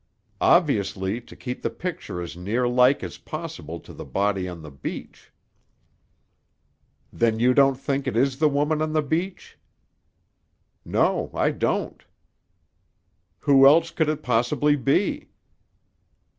"Obviously to keep the picture as near like as possible to the body on the beach." "Then you don't think it is the woman of the beach?" "No; I don't." "Who else could it possibly be?"